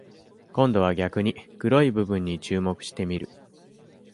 今度は逆に、黒い部分に注目してみる。